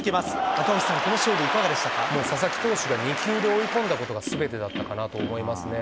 赤星さん、このシーン、いかがで佐々木投手が２球で追い込んだことがすべてだったかなと思いますね。